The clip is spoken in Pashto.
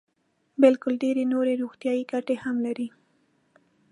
بلکې ډېرې نورې روغتیايي ګټې هم لري.